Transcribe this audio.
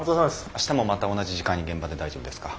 明日もまた同じ時間に現場で大丈夫ですか？